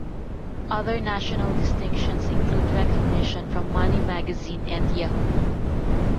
Other national distinctions include recognition from Money Magazine and Yahoo!